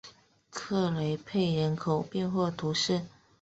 克雷佩人口变化图示